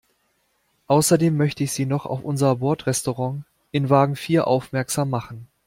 Außerdem möchte ich Sie noch auf unser Bordrestaurant in Wagen vier aufmerksam machen.